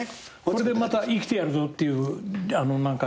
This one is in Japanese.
これでまた生きてやるぞっていう目標が出たんでね。